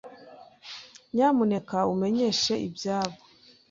Nyamuneka umenyeshe ibyayo.